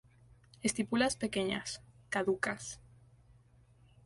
Estípulas pequeñas, caducas.